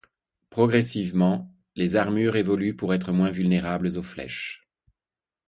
Progressivement, les armures évoluent pour être moins vulnérables aux flèches.